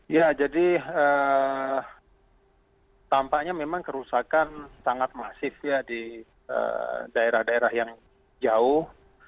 ya jadi tampaknya memang kerusakan sangat masif ya di daerah daerah yang jauh